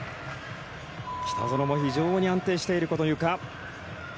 北園も非常に安定しているこのゆか。